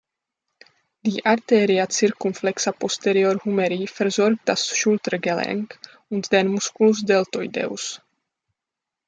Die Arteria circumflexa posterior humeri versorgt das Schultergelenk und den Musculus deltoideus.